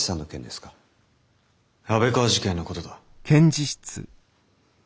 安倍川事件のことだ。